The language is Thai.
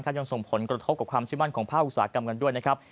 ก็ยังส่งผลกระทบกับความชิ้นมั่นของภาคอุตสาหกรรมด้วย